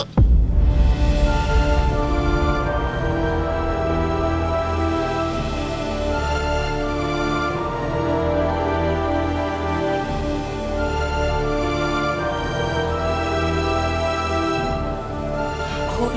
gimana keadaan nombor ini